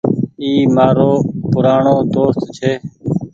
اي مآرو پورآڻو دوست ڇي ۔